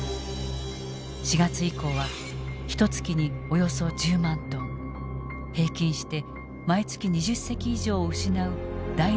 ４月以降はひとつきにおよそ１０万トン平均して毎月２０隻以上を失う大打撃を受けた。